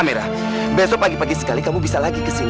besok pagi pagi sekali kamu bisa lagi kesini